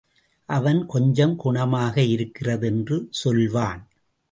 அவன், கொஞ்சம் குணமாக இருக்கிறது — என்று சொல்வான்.